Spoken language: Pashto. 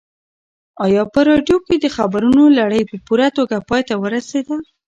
ایا په راډیو کې د خبرونو لړۍ په پوره توګه پای ته ورسېده؟